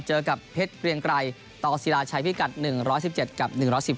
เจอกับเพชรเกรียงไกรต่อศิลาชัยพิกัด๑๑๗กับ๑๑๒